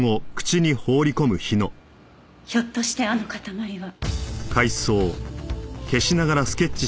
ひょっとしてあの塊は。